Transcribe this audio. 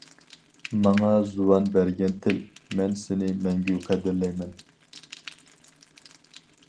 ماڭا زۇۋان بەرگەن تىل. مەن سىنى مەڭگۈ قەدىرلەيمەن.